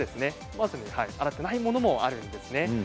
洗っていないものもあるんです。